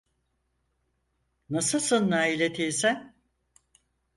Nasılsın Naile teyzem?